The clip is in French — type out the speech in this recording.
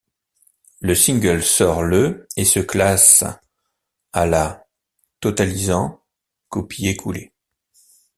Le single sort le et se classe à la totalisant copies écoulées.